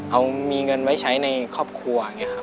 เอามีเงินไว้ใช้ในครอบครัว